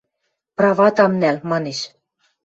Прават ам нӓл, – манеш.